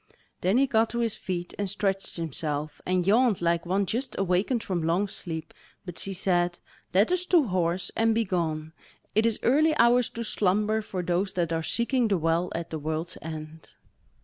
Then he got to his feet, and stretched himself, and yawned like one just awakened from long sleep. But she said: "Let us to horse and begone; it is early hours to slumber, for those that are seeking the Well at the World's End."